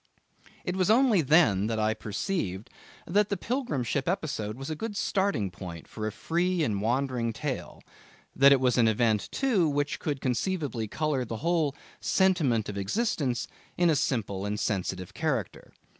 It was only then that I perceived that the pilgrim ship episode was a good starting point for a free and wandering tale; that it was an event, too, which could conceivably colour the whole 'sentiment of existence' in a simple and sensitive character.